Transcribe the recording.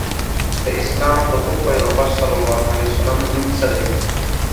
د اسلام د خوږ پیغمبر ص نوم څه دی؟